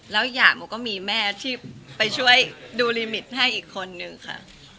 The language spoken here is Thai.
แล้วอีกอย่างมันก็มีแม่ที่ไปช่วยดูลิมิตให้อีกคนนึงค่ะ